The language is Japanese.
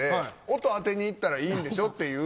音当てにいったらいいんでしょっていう。